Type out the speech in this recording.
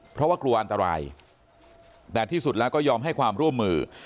เพราะว่ากลัวอันตรายแต่ที่สุดแล้วก็ยอมให้ความร่วมมือ